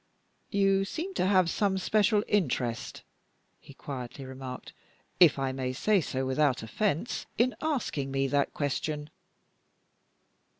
"You seem to have some special interest," he quietly remarked, "if I may say so without offense, in asking me that question."